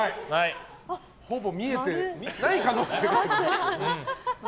ほぼ見えてない可能性も。